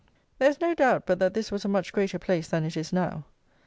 There is no doubt but that this was a much greater place than it is now.